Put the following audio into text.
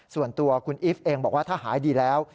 ส่วนตัวคุณอีฟเองบอกว่าถ้าหายดีแล้ว